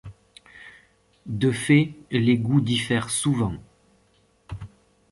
De fait, les goûts diffèrent souvent.